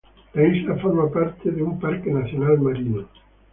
La isla forma parte de un Parque Nacional Marino.